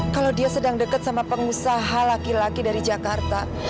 kalau dia sedang dekat sama pengusaha laki laki dari jakarta